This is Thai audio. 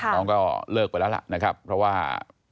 น้องก็เลิกไปแล้วล่ะนะครับเพราะว่า